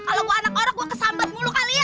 kalau gua anak orang gua kesambet mulu kali ya